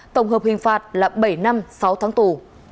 tổng hợp hình phạt là bảy năm sáu tháng tù